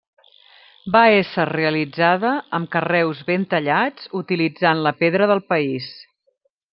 Va ésser realitzada amb carreus ben tallats, utilitzant la pedra del país.